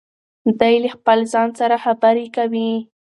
دی له خپل ځان سره خبرې کوي.